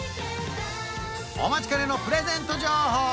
お待ちかねのプレゼント情報